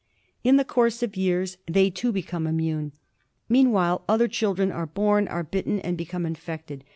In the course of years they too become immune. Meanwhile other children are born, are bitten, and become infected.